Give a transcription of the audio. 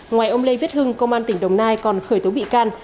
ngoài ông lê viết hưng công an tỉnh đồng nai còn khởi tố bị can